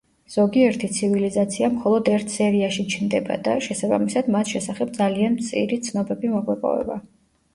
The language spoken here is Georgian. ზოგიერთი ცივილიზაცია მხოლოდ ერთ სერიაში ჩნდება და, შესაბამისად, მათ შესახებ ძალიან მწირი ცნობები მოგვეპოვება.